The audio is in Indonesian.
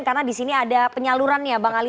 karena disini ada penyaluran ya